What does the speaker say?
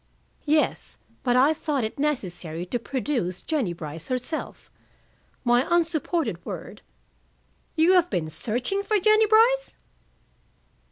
"Yes. But I thought it necessary to produce Jennie Brice herself. My unsupported word " "You have been searching for Jennie Brice?"